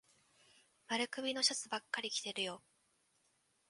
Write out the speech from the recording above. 丸首のシャツばっかり着てるよ。